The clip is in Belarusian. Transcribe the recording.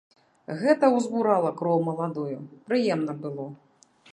Гэта ўзбурала кроў маладую, прыемна было.